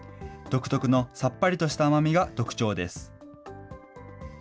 独特のさっぱりとした甘みが特徴です。